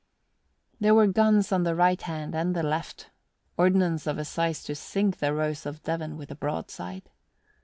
There were guns on the right hand and the left ordnance of a size to sink the Rose of Devon with a broadside.